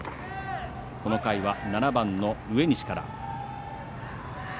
この回は７番の植西から。